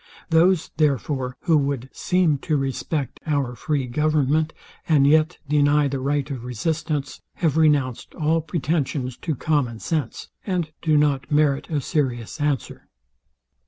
Those, therefore, who would seem to respect our free government, and yet deny the right of resistance, have renounced all pretensions to common sense, and do not merit a serious answer.